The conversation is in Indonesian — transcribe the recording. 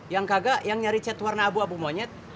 yang kagak yang nyari chat warna abu abu monyet